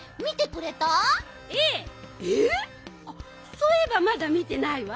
そういえばまだみてないわ。